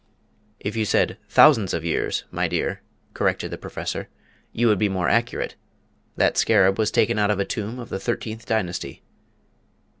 "If you said 'thousands of years,' my dear," corrected the Professor, "you would be more accurate. That scarab was taken out of a tomb of the thirteenth dynasty."